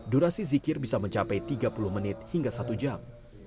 durasi zikir bisa mencapai tiga puluh menit hingga satu jam